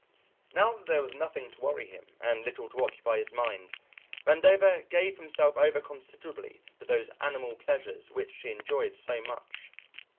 Now that there was nothing to worry him, and little to occupy his mind, Vandover gave himself over considerably to those animal pleasures which he enjoyed so much.